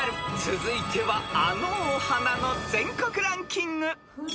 ［続いてはあのお花の全国ランキング］